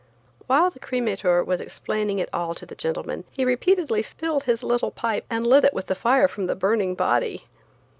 While the cremator was explaining it all to the gentleman he repeatedly filled his little pipe and lit it with the fire from the burning body.